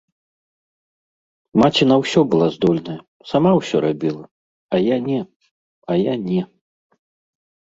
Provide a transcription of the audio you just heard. Маці на ўсё была здольная, сама ўсё рабіла, а я не, а я не.